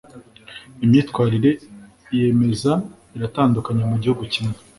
Imyitwarire yameza iratandukanye mugihugu kimwe.